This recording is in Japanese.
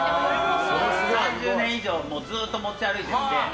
３０年以上ずっと持ち歩いてるので。